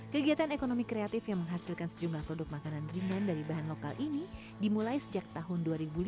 kegiatan ekonomi kreatif yang menghasilkan sejumlah produk makanan ringan dari bahan lokal ini dimulai sejak tahun dua ribu lima